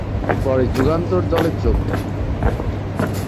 পরে যুগান্তর দলে যোগ দেন।